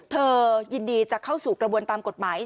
เธอยินดีจะเข้าสู่กระบวนตามกฎหมาย